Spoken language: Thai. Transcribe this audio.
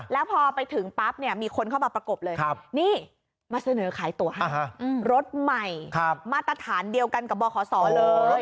แล้วพอไปถึงปั๊บเนี่ยมีคนเข้ามาประกบเลยนี่มาเสนอขายตัวให้รถใหม่มาตรฐานเดียวกันกับบขศเลย